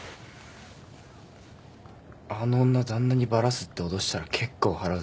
あの女旦那にバラすって脅したら結構払うぜ。